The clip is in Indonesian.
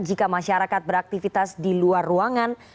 jika masyarakat beraktivitas di luar ruangan